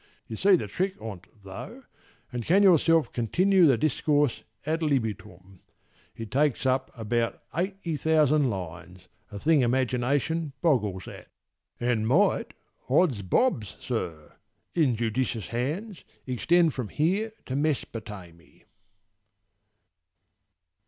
You see the trick on't though, and can yourself Continue the discourse ad libitum. It takes up about eighty thousand lines, A thing imagination boggles at: And might, odds bobs, sir! in judicious hands, Extend from here to Mesopotamy.